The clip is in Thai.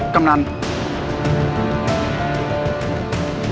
กำลัง